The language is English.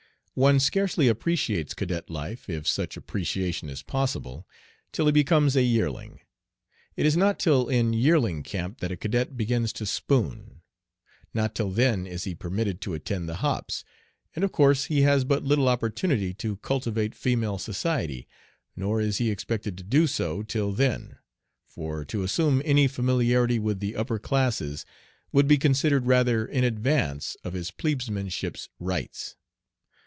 One scarcely appreciates cadet life if such appreciation is possible till he becomes a yearling. It is not till in yearling camp that a cadet begins to "spoon." Not till then is he permitted to attend the hops, and of course he has but little opportunity to cultivate female society, nor is he expected to do so till then, for to assume any familiarity with the upper classes would be considered rather in advance of his "plebeship's" rights.